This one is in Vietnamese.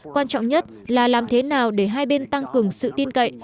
quan trọng nhất là làm thế nào để hai bên tăng cường sự tin cậy